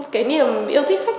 cái niềm yêu thích sách